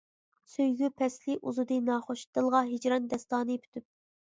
سۆيگۈ پەسلى ئۇزىدى ناخۇش، دىلغا ھىجران داستانى پۈتۈپ.